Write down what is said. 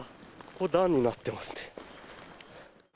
ここ、段になってますね。